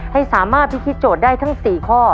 ให้สามารถพิธีโจทย์ได้ทั้ง๔ข้อ